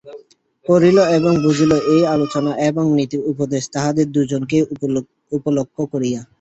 পড়িল, এবং বুঝিল এই আলোচনা এবং নীতি-উপদেশ তাহাদের দুইজনকেই উপলক্ষ করিয়া।